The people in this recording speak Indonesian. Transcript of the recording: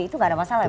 itu tidak ada masalah